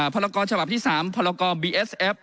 พลกชที่๓พลกบีเอสเอฟ